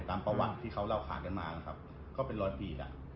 ประวัติที่เขาเล่าขาดกันมานะครับก็เป็นรอยปีอ่ะ